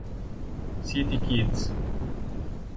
City Kids